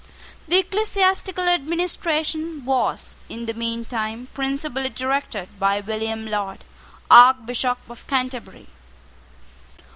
The ecclesiastical administration was, in the meantime, principally directed by William Laud, Archbishop of Canterbury.